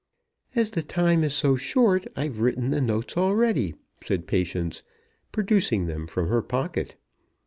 "As the time is so short, I've written the notes ready," said Patience, producing them from her pocket.